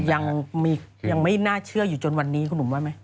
ยังไม่น่าเชื่ออยู่จนวันนี้คุณหนุ่มว่าไหม